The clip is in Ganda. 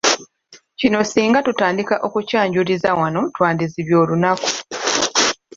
Kino singa tutandika okukyanjululiza wano twandizibya olunaku!